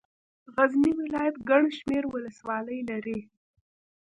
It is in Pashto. غزني ولايت ګڼ شمېر ولسوالۍ لري.